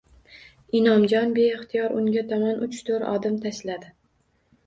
Inomjon beixtiyor unga tomon uch-to`rt odim tashladi